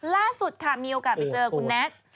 ล่าสุดค่ะมีโอกาสไปเจอคุณแน็ก